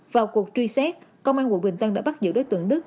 vào cuộc truy xét công an quận bình tân đã bắt giữ đối tượng đức